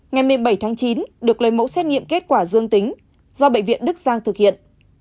ngày một mươi bảy tháng chín được lấy mẫu xét nghiệm kết quả dương tính do bệnh viện đức giang thực hiện